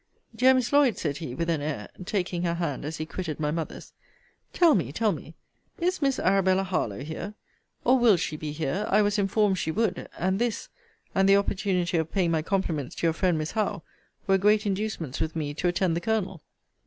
Dear Miss Lloyd, said he, with an air, (taking her hand as he quitted my mother's,) tell me, tell me, is Miss Arabella Harlowe here? Or will she be here? I was informed she would and this, and the opportunity of paying my compliments to your friend Miss Howe, were great inducements with me to attend the Colonel.